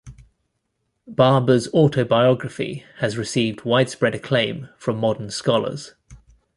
Babur's autobiography has received widespread acclaim from modern scholars.